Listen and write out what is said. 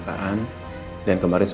kalau antara lagi